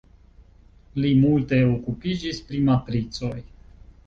Li multe okupiĝis pri matricoj.